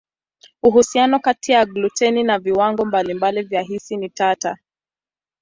Uhusiano kati ya gluteni na viwango mbalimbali vya hisi ni tata.